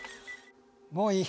もういい。